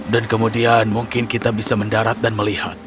dan kemudian mungkin kita bisa mendarat dan melihat